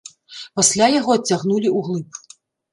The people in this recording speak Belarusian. Пасля яго адцягнулі ўглыб.